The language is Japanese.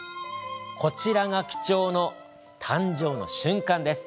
こちらが貴重な誕生の瞬間の映像です。